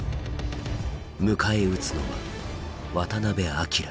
迎え撃つのは渡辺明。